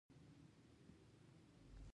د جنوبي عرض البلد تر درجو پورې پرمخ ولاړ.